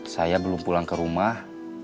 saya belum pulang ke rumah